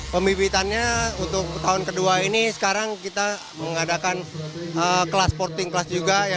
pembibitannya untuk tahun kedua ini sekarang kita mengadakan kelas sporting kelas juga